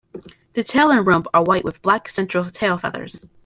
The tail and rump are white with black central tail feathers.